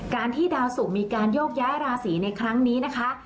การที่ดาวสุกมีการโยกย้ายราศีในครั้งนี้นะคะ